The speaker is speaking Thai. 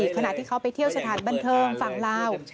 ขณะที่เขาไปเที่ยวสถานบ้านเทิมฟังเล่า